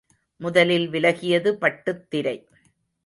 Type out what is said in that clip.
முதலில் விலகியது பட்டுத்திரை.